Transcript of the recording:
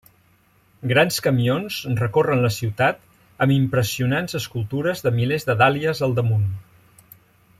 Grans camions recorren la ciutat amb impressionants escultures de milers de dàlies al damunt.